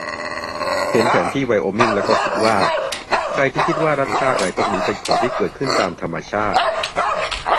เห็นแผนที่ไวโอมิงแล้วก็คิดว่า ใครที่คิดว่ารัฐชาติอะไรพวกนี้เป็นของที่เกิดขึ้นตามธรรมชาติ